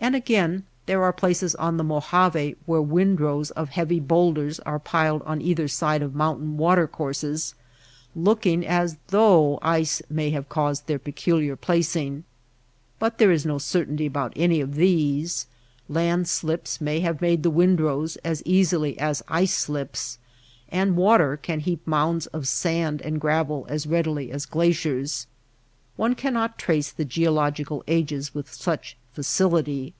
And again there are places on the Mojave where windrows Geological ages. Kinds of rock. Glaciers. 38 THE DESERT Land slips. Movement of stones. The talus. of heavy bowlders are piled on either side of mountain water courses, looking as though ice may have caused their peculiar placing. But there is no certainty about any of these. Land slips may have made the windrows as easily as ice slips ; and water can heap mounds of sand and gravel as readily as glaciers. One cannot trace the geological ages with such facility.